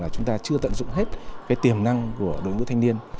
chưa tận dụng hết tiềm năng của đội ngũ thanh niên